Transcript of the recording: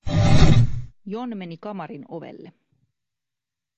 John meni kamarin ovelle.